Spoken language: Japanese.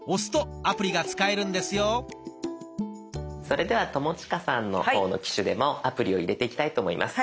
それでは友近さんの方の機種でもアプリを入れていきたいと思います。